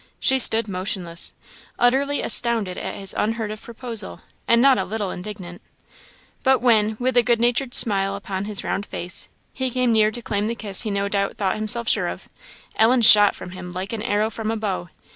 She stood motionless, utterly astounded at his unheard of proposal, and not a little indignant; but when, with a good natured smile upon his round face, he came near to claim the kiss he no doubt thought himself sure of, Ellen shot from him like an arrow from a bow.